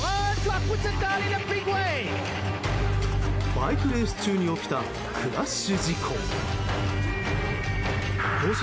バイクレース中に起きたクラッシュ事故。コース